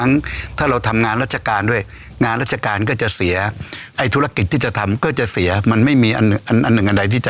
ถ้าเราทำงานราชการด้วยงานราชการก็จะเสียไอ้ธุรกิจที่จะทำก็จะเสียมันไม่มีอันอันหนึ่งอันใดที่จะ